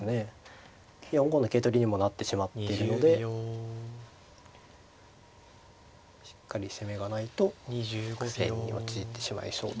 ４五の桂取りにもなってしまってるのでしっかり攻めがないと苦戦に陥ってしまいそうですが。